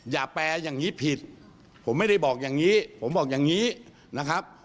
แปลอย่างนี้ผิดผมไม่ได้บอกอย่างนี้ผมบอกอย่างนี้นะครับ